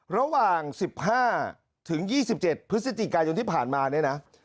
ระหว่าง๑๕ถึง๒๗พฤศจิกายนที่ผ่านมาเนี่ยนะ